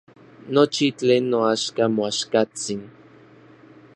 Nochi tlen noaxka moaxkatsin.